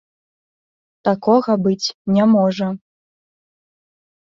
Такога быць не можа.